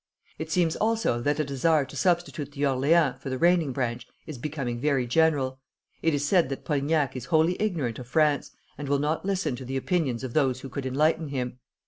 It seems also that a desire to substitute the Orleans for the reigning branch is becoming very general. It is said that Polignac is wholly ignorant of France, and will not listen to the opinions of those who could enlighten him.